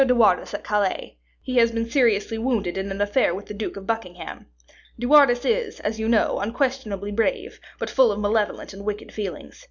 de Wardes at Calais; he has been seriously wounded in an affair with the Duke of Buckingham. De Wardes is, as you know, unquestionably brave, but full of malevolent and wicked feelings.